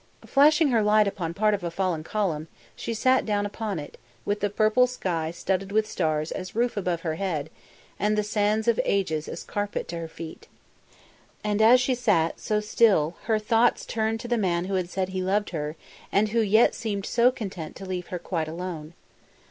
Flashing her light upon part of a fallen column, she sat down upon it, with the purple sky studded with stars as roof above her head and the sands of ages as carpet to her feet. And as she sat, so still, her thoughts turned to the man who had said he loved her and who yet seemed so content to leave her quite alone.